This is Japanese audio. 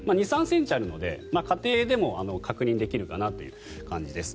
２３ｃｍあるので、家庭でも確認できるかなという感じです。